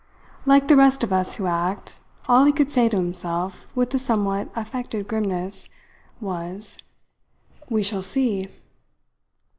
Like the rest of us who act, all he could say to himself, with a somewhat affected grimness, was: "We shall see!"